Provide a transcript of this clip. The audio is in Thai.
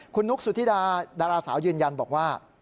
คุณนุ๊กสุธิดาดาราสาวยืนยันบอกว่า